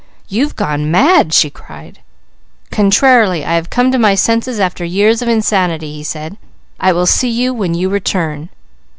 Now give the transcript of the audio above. "You've gone mad!" she cried. "Contrarily, I have come to my senses after years of insanity," he said. "I will see you when you return."